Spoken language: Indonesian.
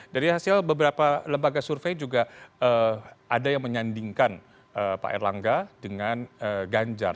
dari hasil beberapa lembaga survei juga ada yang menyandingkan pak erlangga dengan ganjar